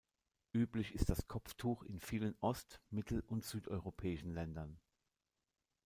Üblich ist das Kopftuch in vielen ost-, mittel- und südeuropäischen Ländern.